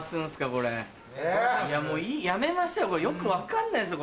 これ・いやもうやめましょうよく分かんないっすよ